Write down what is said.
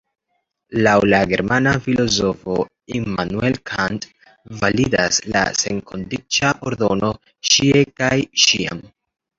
Laŭ la germana filozofo Immanuel Kant validas la senkondiĉa ordono ĉie kaj ĉiam.